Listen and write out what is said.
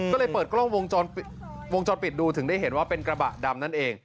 ก็เลยเปิดกล้องวงจรปิดดูถึงได้เห็นว่าเป็นกระบะดำนั่นเอง